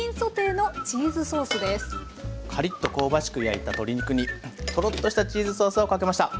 カリッと香ばしく焼いた鶏肉にトロッとしたチーズソースをかけました。